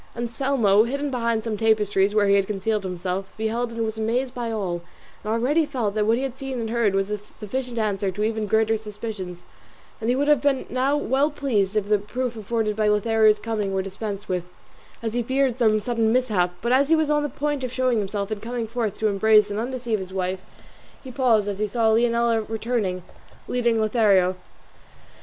Anselmo, concealed behind some tapestries where he had hidden himself, beheld and was amazed at all, and already felt that what he had seen and heard was a sufficient answer to even greater suspicions; and he would have been now well pleased if the proof afforded by Lothario's coming were dispensed with, as he feared some sudden mishap; but as he was on the point of showing himself and coming forth to embrace and undeceive his wife he paused as he saw Leonela returning, leading Lothario.